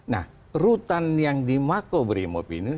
nah rutan yang dimakau primob ini